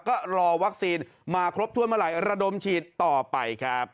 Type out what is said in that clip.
ก็รอวัคซีนมาครบถ้วนเมื่อไหร่ระดมฉีดต่อไปครับ